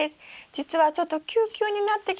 じつはちょっとキュウキュウになってきたので。